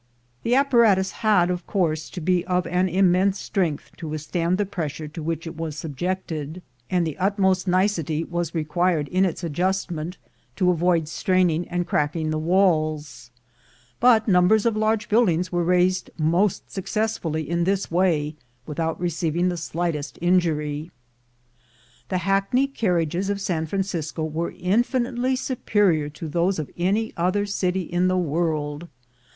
The appa ratus had of course to be of an immense strength to withstand the pressure to which it was subjected, and 88 THE GOLD HUNTERS the utmost nicety was required in its adjustment, to avoid straining and cracking the walls; but numbers of large buildings were raised most successfully in this way without receiving the slightest injury. The hackney carriages of San Francisco were in finitely superior to those of any other city in the world.